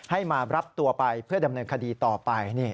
มารับตัวไปเพื่อดำเนินคดีต่อไป